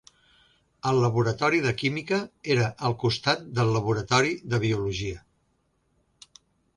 El laboratori de química era al costat del laboratori de biologia.